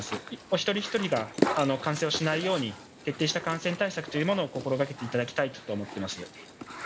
一人一人が感染をしないように、徹底した感染対策というものを心がけていただきたいと思ってます。